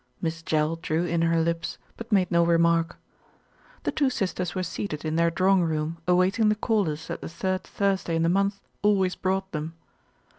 Miss Jell drew in her lips; but made no remark. The two sisters were seated in their drawing room awaiting the callers that the Third Thursday in the month always brought them.